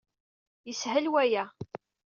Yeshel waya.